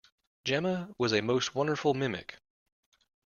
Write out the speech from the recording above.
Jemma was a most wonderful mimic.